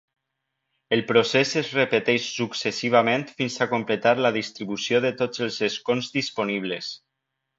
El procés es repeteix successivament fins a completar la distribució de tots els escons disponibles.